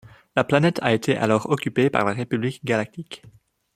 La planète a été alors occupée par la République galactique.